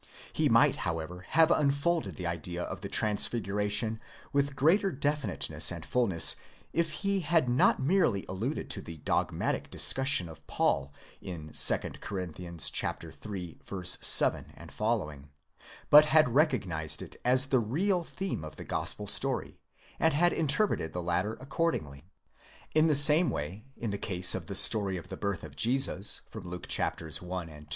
He might, however, have unfolded the idea of the Transfiguration with greater definite ness and fulness if he had not merely alluded to the dogmatic discussion of Paul in 2 Cor. iii. 7 sq., but had recognised it as the real theme of the gospel story, and had interpreted the latter accordingly. In the same way, in the case of the story of the birth of Jesus (Luke i. and ii.)